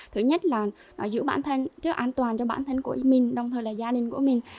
thứ nhất là giữ bản thân giữ an toàn cho bản thân của mình đồng thời là gia đình của mình